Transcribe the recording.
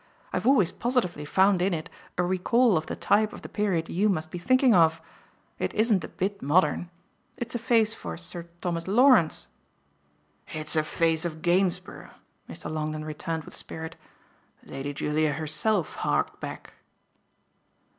I've always positively found in it a recall of the type of the period you must be thinking of. It isn't a bit modern. It's a face of Sir Thomas Lawrence " "It's a face of Gainsborough!" Mr. Longdon returned with spirit. "Lady Julia herself harked back."